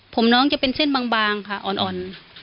ผมน้องจะเป็นเส้นบางค่ะอ่อน